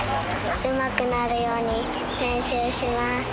うまくなるように練習します。